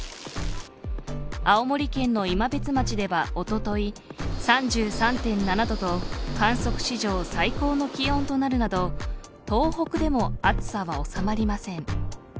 青森県の今別町では、おととい３３．７度と観測史上最高の気温となるなど東北でも暑さは収まりません。